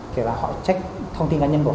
kể cả họ trách thông tin cá nhân của họ